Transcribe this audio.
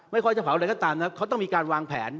ค่อยจะเผาอะไรก็ตามนะครับเขาต้องมีการวางแผน